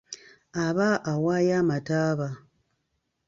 Aba awaayo mataaba.